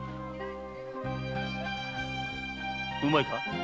うまいか？